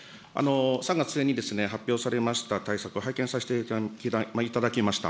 ３月末に発表されました対策を拝見させていただきました。